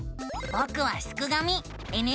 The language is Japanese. ぼくはすくがミ。